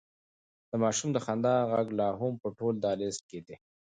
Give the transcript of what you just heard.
د ماشوم د خندا غږ لا هم په ټول دهلېز کې دی.